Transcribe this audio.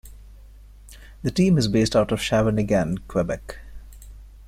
The team is based out of Shawinigan, Quebec.